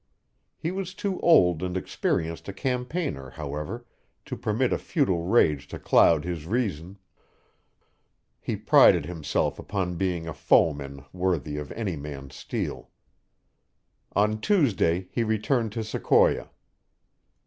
He was too old and experienced a campaigner, however, to permit a futile rage to cloud his reason; he prided himself upon being a foeman worthy of any man's steel. On Tuesday he returned to Sequoia.